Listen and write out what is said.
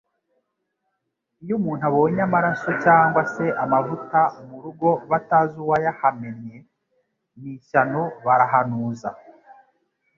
Iyo umuntu abonye amaraso cyangwa se amavuta mu rugo batazi uwayahamennye, ni ishyano ,barahanuza